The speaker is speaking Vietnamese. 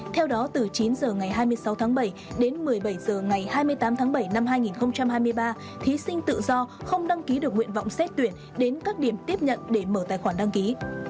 theo đó từ chín h ngày hai mươi sáu tháng bảy đến một mươi bảy h ngày hai mươi tám tháng bảy năm hai nghìn hai mươi ba thí sinh tự do không đăng ký được nguyện vọng xét tuyển đến các điểm tiếp nhận để mở tài khoản đăng ký